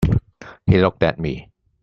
He looked at me.